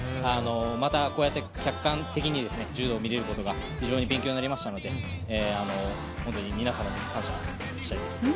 またこうやって客観的に柔道を見れることが非常に勉強になりましたので皆様に感謝したいです。